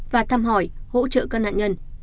và thăm hỏi hỗ trợ các nạn nhân